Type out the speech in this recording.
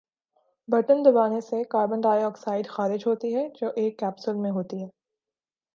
Button دبانے سے carbon dioxide خارج ہوتی ہے جو ایک کیپسول میں ہوتی ہے۔